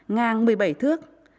ngang một mươi bảy thước